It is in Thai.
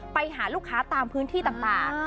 ไปหาลูกค้าตามพื้นที่ต่าง